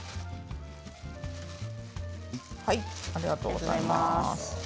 ありがとうございます。